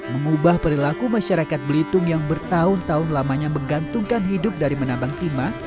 mengubah perilaku masyarakat belitung yang bertahun tahun lamanya menggantungkan hidup dari menambang timah